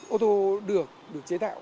ô tô được chế tạo